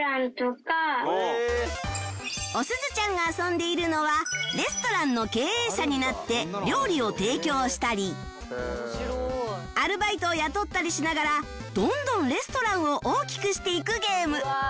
おすずちゃんが遊んでいるのはレストランの経営者になって料理を提供したりアルバイトを雇ったりしながらどんどんレストランを大きくしていくゲーム